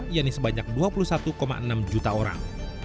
yang disebanyak dua puluh satu enam juta orang